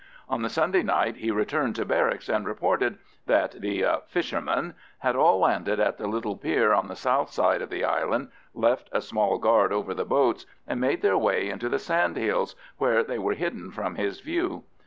On the Sunday night he returned to barracks, and reported that the "fishermen" had all landed at the little pier on the south side of the island, left a small guard over the boats, and made their way into the sand hills, where they were hidden from his view.